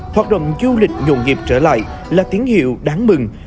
hoạt động du lịch nhuồn nghiệp trở lại là tiếng hiệu đáng mừng